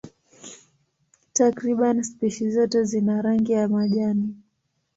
Takriban spishi zote zina rangi ya majani.